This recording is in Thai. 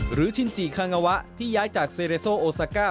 ชินจิคางาวะที่ย้ายจากเซเรโซโอซาก้า